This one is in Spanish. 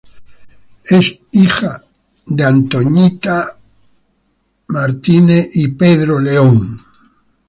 Es hija de Jonathan y Mindy Mack.